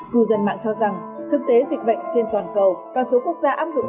cư dân mạng cho rằng thực tế dịch bệnh trên toàn cầu và số quốc gia áp dụng